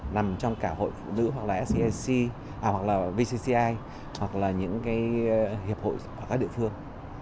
nằm trong cả hội phụ nữ hoặc là vcci hoặc là những hiệp hội ở các địa phương